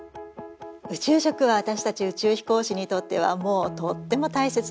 宇宙食は私たち宇宙飛行士にとってはもうとっても大切なものです。